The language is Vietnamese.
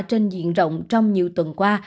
trên diện rộng trong nhiều tuần qua